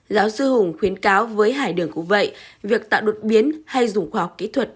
giáo sư hùng khuyến cáo với hải đường cũng vậy việc tạo đột biến hay dùng khoa học kỹ thuật